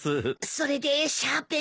それでシャーペンは？